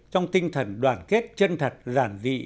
trong tinh thần đoàn kết chân thật giản dị